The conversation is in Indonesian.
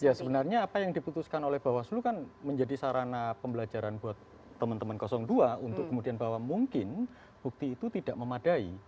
ya sebenarnya apa yang diputuskan oleh bawaslu kan menjadi sarana pembelajaran buat teman teman dua untuk kemudian bahwa mungkin bukti itu tidak memadai